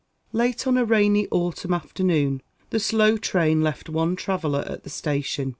Late on a rainy autumn afternoon, the slow train left one traveller at the Station.